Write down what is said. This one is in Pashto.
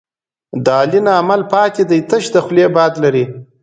د علي نه عمل پاتې دی، تش د خولې باد لري.